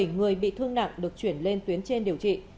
bảy người bị thương nặng được chuyển lên tuyến trên điều trị